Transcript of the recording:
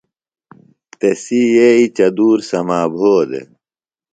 تسی یئیئۡیۡ چدُور سما بھودےۡ۔